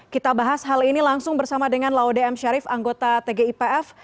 kita bahas hal ini langsung bersama dengan laude m sharif anggota tgipf